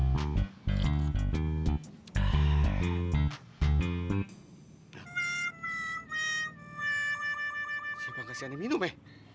siapa yang kasih aneh minum pi